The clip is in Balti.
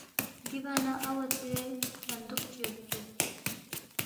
دِیبا نہ اوا ژے صندوق چی یودسُوک